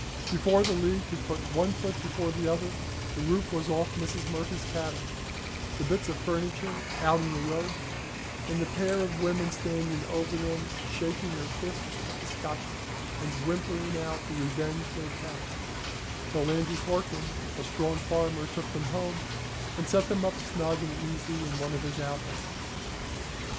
Before the League could put one foot before another the roof was off Mrs. Murphy's cabin, the bits of furniture out in the road, and the pair of women standing over them shaking their fists at the Scotchman, and whimpering out the revenge they'd have, till Lanty Corcoran, a strong farmer, took them home, and set them up snug and easy in one of his outhouses.